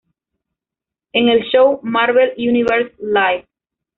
En el show "Marvel Universe Live!